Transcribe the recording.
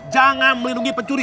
jangan melindungi pencuri